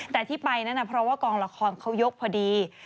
แต่ที่ไปนั้นเพราะว่ากองละครเขายกพอดี